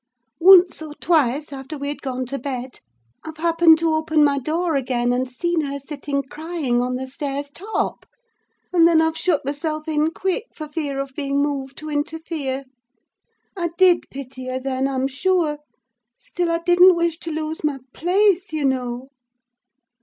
Once or twice, after we had gone to bed, I've happened to open my door again and seen her sitting crying on the stairs' top; and then I've shut myself in quick, for fear of being moved to interfere. I did pity her then, I'm sure: still I didn't wish to lose my place, you know.